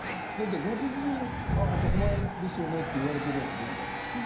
ご主人が男前ですよねと言われているようなものじゃないですか。